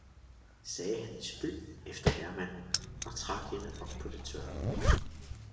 sagde han i spøg efter herremanden og trak hende op på det tørre.